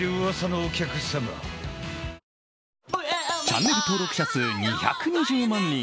チャンネル登録者数２２０万人。